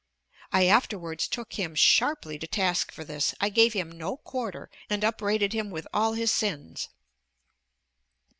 I afterwards took him sharply to task for this; I gave him no quarter and upbraided him with all his sins.